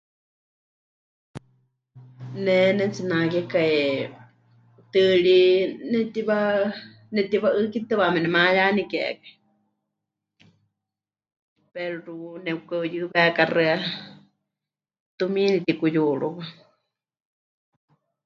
Ne pɨnetsinakekai tɨɨrí netiwa'ɨ́kitɨwaame nemayanikekai pero nepɨka'uyɨwékaxɨa, tumiini pɨtikuyúruwa.